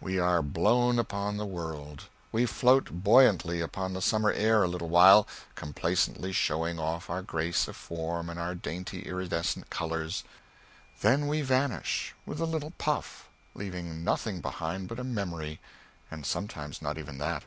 We are blown upon the world; we float buoyantly upon the summer air a little while, complacently showing off our grace of form and our dainty iridescent colors; then we vanish with a little puff, leaving nothing behind but a memory and sometimes not even that.